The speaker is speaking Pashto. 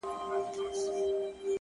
نور درته نه وايم نفس راپسې وبه ژاړې;